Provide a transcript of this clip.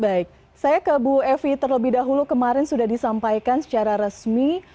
baik saya ke bu evi terlebih dahulu kemarin sudah disampaikan secara resmi